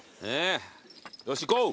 よし行こう！